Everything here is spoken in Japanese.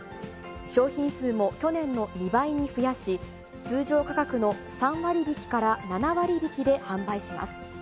商品数も去年の２倍に増やし、通常価格の３割引きから７割引きで販売します。